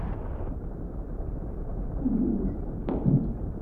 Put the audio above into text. Ur yewjid.